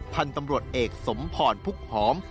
พันธุ์ตำรวจเอกสมพรพุกหอม